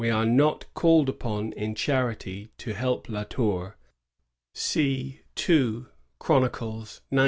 81 are not called upon in charity to help La Tonr (see 2 Chronicles xix.